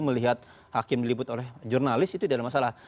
melihat hakim diliput oleh jurnalis itu tidak ada masalah